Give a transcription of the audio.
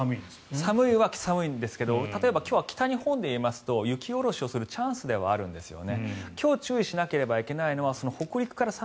寒いは寒いんですが例えば、今日は北日本でいいますと雪下ろしをするチャンスなんですね。